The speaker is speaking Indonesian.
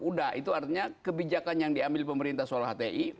udah itu artinya kebijakan yang diambil pemerintah soal hti